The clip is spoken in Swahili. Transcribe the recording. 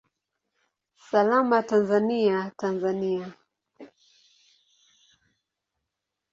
Salama Tanzania, Tanzania!